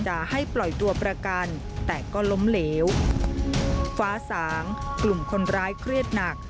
ให้ปล่อยตัวประกันแต่ก็ล้มเหลวฟ้าสางกลุ่มคนร้ายเครียดหนัก